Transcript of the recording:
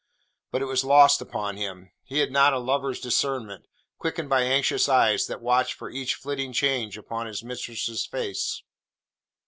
But it was lost upon him. He had not a lover's discernment, quickened by anxious eyes that watch for each flitting change upon his mistress's face.